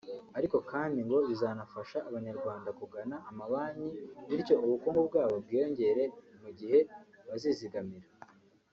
ariko kandi ngo bizanafasha abanyarwanda kugana amabanki bityo ubukungu bwabo bwiyongere mu gihe bazizigamira